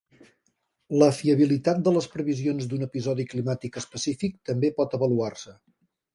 La fiabilitat de les previsions d'un episodi climàtic específic també pot avaluar-se.